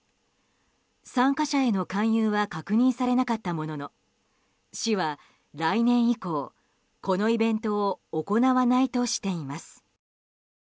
参加者への勧誘は確認されなかったものの市は来年以降、このイベントを行わないとしています。